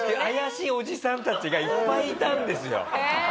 怪しいおじさんたちがいっぱいいたんですよ。